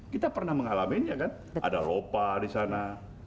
kita pernah mengalaminya kan ada lopa disana